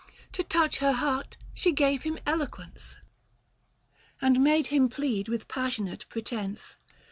To touch her heart she gave him eloquence, 120 And made him plead with passionate pretence.